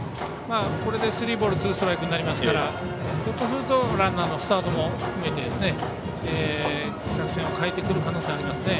これで、スリーボールツーストライクですからひょっとするとランナーのスタートも含めて作戦を変えてくる可能性がありますね。